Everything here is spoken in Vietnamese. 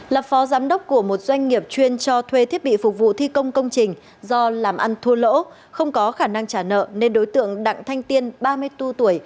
là phó giám đốc của một doanh nghiệp chuyên cho thuê thiết bị phục vụ thi công công trình do làm ăn thua lỗ không có khả năng trả nợ nên đối tượng đặng thanh tiên ba mươi tuổi quê ở quảng ngãi